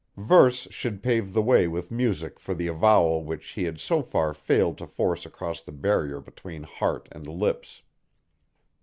Verse should pave the way with music for the avowal which he had so far failed to force across the barrier between heart and lips.